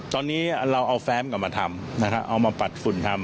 ตอนนี้เราเอาแฟ้มกลับมาทำนะครับเอามาปัดฝุ่นทำ